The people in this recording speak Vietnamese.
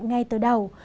ngay từ đầu